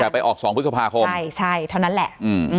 แต่ไปออก๒พฤษภาคมใช่ใช่เท่านั้นแหละ